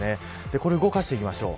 これを動かしていきましょう。